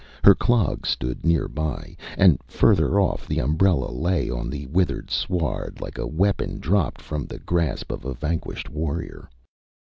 Her clogs stood near by, and further off the umbrella lay on the withered sward like a weapon dropped from the grasp of a vanquished warrior.